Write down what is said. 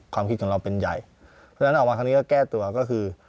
ความคิดของเราเป็นใหญ่เพราะฉะนั้นออกมาครั้งนี้ก็แก้ตัวก็คือ